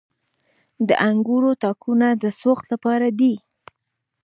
د انګورو تاکونه د سوخت لپاره دي.